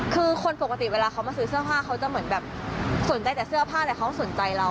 คือคนปกติเวลาเขามาซื้อเสื้อผ้าเขาจะเหมือนแบบสนใจแต่เสื้อผ้าแต่เขาสนใจเรา